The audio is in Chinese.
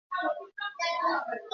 上行月台的候车室配备空调。